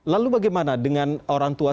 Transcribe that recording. lalu bagaimana dengan orang tua